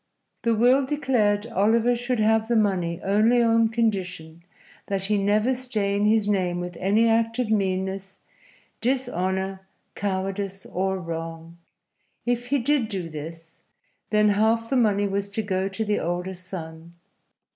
The will declared Oliver should have the money only on condition that he never stain his name with any act of meanness, dishonor, cowardice or wrong. If he did do this, then half the money was to go to the older son.